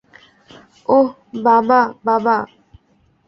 ওহ, বাবা, বাবা!